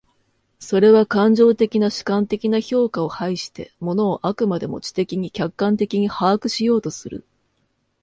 それは感情的な主観的な評価を排して、物を飽くまでも知的に客観的に把握しようとする。